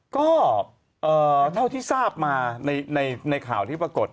ก็เท่าที่ทราบมาในข่าวที่ปรากฏ